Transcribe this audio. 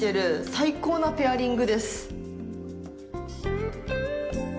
最高なペアリングです。